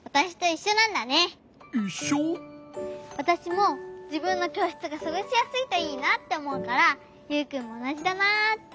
わたしもじぶんのきょうしつがすごしやすいといいなっておもうからユウくんもおなじだなって。